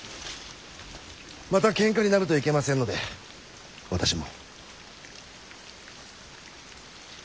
またけんかになるといけませんので私も。